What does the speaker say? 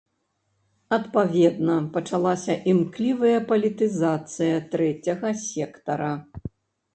Адпаведна, пачалася імклівая палітызацыя трэцяга сектара.